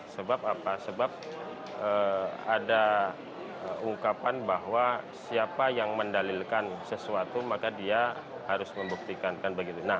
sebab ada ungkapan bahwa siapa yang mendalilkan sesuatu maka dia harus membuktikan